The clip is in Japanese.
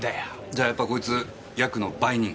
じゃあやっぱこいつヤクの売人？